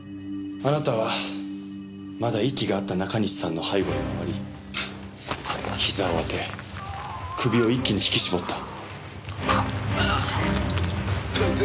あなたはまだ息があった中西さんの背後に回り膝を当て首を一気に引き絞った。